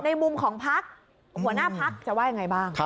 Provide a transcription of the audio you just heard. ในมุมของภักดิ์หัวหน้าภักดิ์จะว่าอย่างไรบ้าง